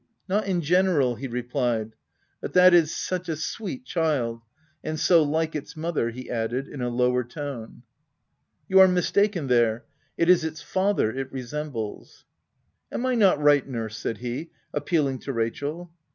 Not in general/' he replied ;" but that is such a sweet child — and so like its mother, " he added in a lower tone. •? You are mistaken there ; it is its father it resembles." " Am I not right, nurse ?" said he, appealing to Rachel.